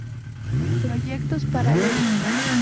Proyectos paralelos